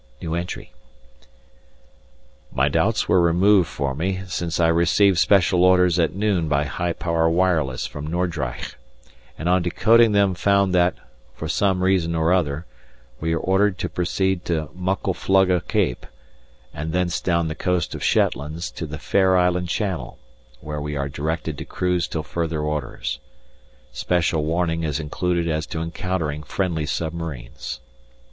My doubts were removed for me since I received special orders at noon by high power wireless from Nordreich, and on decoding them found that, for some reason or other, we are ordered to proceed to Muckle Flugga Cape, and thence down the coast of Shetlands to the Fair Island Channel, where we are directed to cruise till further orders. Special warning is included as to encountering friendly submarines.